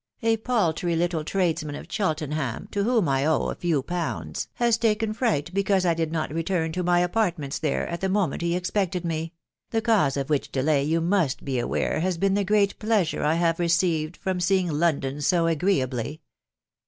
A paltry little tradesman of Cheltenham, to whom I owe a few pounds, has taken fright because I did not return to my apartments there at the mo ment he expected me .... the cause of which delay you must be aware has been the great pleasure I have received from seeing London so agreeably.